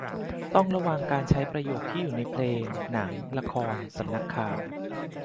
ต้องระวังการใช้ประโยคที่อยู่ในเพลง หนัง ละคร สำนักข่าว